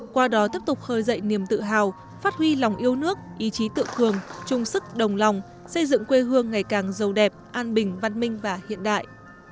qua đó tiếp tục khơi dậy niềm tự hào phát huy lòng yêu nước ý chí tự cường chung sức đồng lòng xây dựng quê hương ngày càng giàu đẹp an bình văn minh và hiện đại